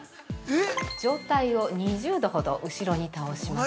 上体を２０度ほど後ろに倒します。